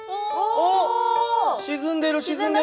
おっ沈んでる沈んでる。